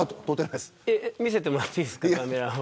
見せてもらっていいですか。